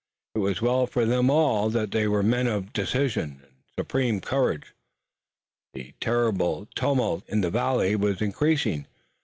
It was well for them all that they were men of decision and supreme courage. The terrible tumult in the valley was increasing.